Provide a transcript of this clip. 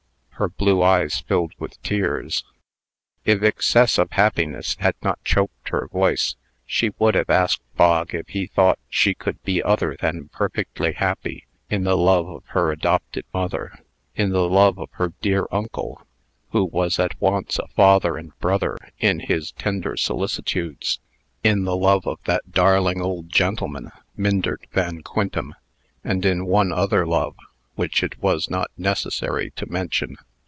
Her blue eyes filled with tears. If excess of happiness had not choked her voice, she would have asked Bog if he thought she could be other than perfectly happy in the love of her adopted mother, in the love of her dear uncle who was at once a father and brother in his tender solicitudes in the love of that darling old gentleman, Myndert Van Quintem, and in one other love, which it was not necessary to mention.